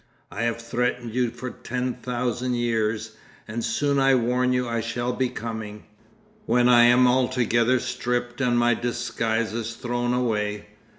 I have threatened you for ten thousand years, and soon I warn you I shall be coming. When I am altogether stripped and my disguises thrown away.